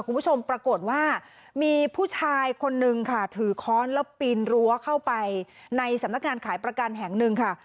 คุณผู้ชมปรากฏว่ามีผู้ชายคนนึงค่ะถือค้อนแล้วปีนรั้วเข้าไปในสำนักงานขายประกันแห่งหนึ่งค่ะ